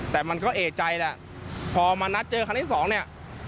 แต่มันก็เอ่ยใจแล้วพอมานัดเจอคันที่๒นี่